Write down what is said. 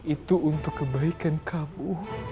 itu untuk kebaikan kamu